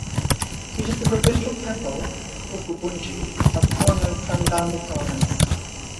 It is the provincial temple ("kokubunji") of former Sagami Province.